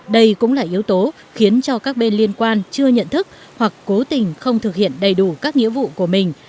đây cũng là yếu tố khiến cho các bên liên quan chưa nhận thức hoặc cố tình không thực hiện đầy đủ các nghĩa vụ của mình